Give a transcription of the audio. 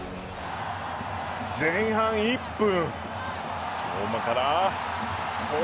前半１分。